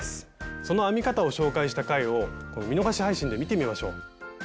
その編み方を紹介した回を見逃し配信で見てみましょう。